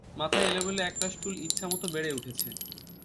মাথায় এলেমেলো একরাশ চুল ইচ্ছেমতো বেড়ে উঠেছে।